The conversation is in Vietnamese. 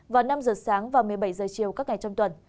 vào năm giờ sáng và một mươi bảy h chiều các ngày trong tuần